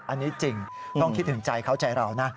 อันนี้จริงต้องคิดถึงใจเขาใจเรานะ